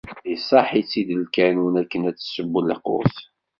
Iṣaḥḥ-itt-id lkanun akken ad tseww lqut.